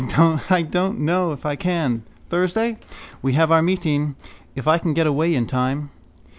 —I don't know if I can. Thursday. We have our meeting. If I can get away in time.